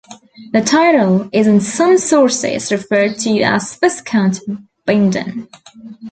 The title is in some sources referred to as Viscount Bindon.